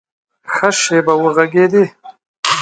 ښه شېبه وږغېدی !